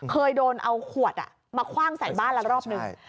เคยโดนเอาขวดมาคว่างใส่บ้านแล้วรอบหนึ่ง